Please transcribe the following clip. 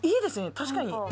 確かに。